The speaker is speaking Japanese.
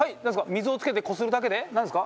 水をつけてこするだけでなんですか？